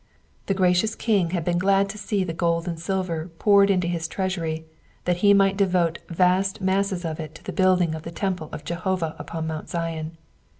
The gracious king had been glad to see the ffold and silver poured into his treasury that he might devote vast masses of it to the building of the Temple of Jehovah upon Mount Zion.